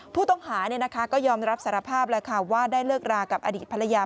ผู้ต้องหาก็ยอมรับสารภาพแล้วค่ะว่าได้เลิกรากับอดีตภรรยา